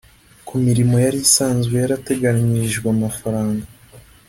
ku mirimo yari isanzwe yarateganyirijwe amafaranga